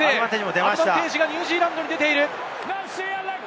アドバンテージがニュージーランドに出ている。